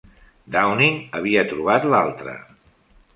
Downing havia trobat l'altre.